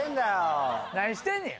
何してんねや！